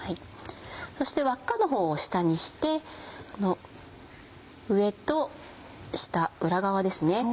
そして輪っかのほうを下にしてこの上と下裏側ですね。